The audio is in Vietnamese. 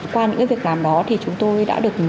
qua những việc làm đó thì chúng tôi đã được